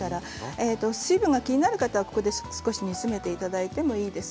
水分が気になる方はここで少し煮詰めていただいてもいいです。